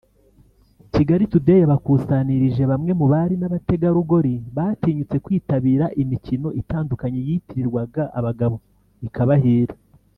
Kigali Today yabakusanirije bamwe mu bari n’abategarugori batinyutse kwitabira imikino itandukanye yitirirwaga abagabo ikabahira